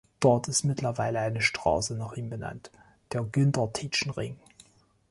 Dort ist mittlerweile eine Straße nach ihm benannt, der Günther-Tietjen-Ring.